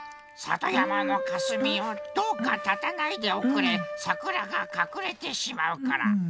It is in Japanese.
さとやまのかすみよどうかたたないでおくれさくらがかくれてしまうから。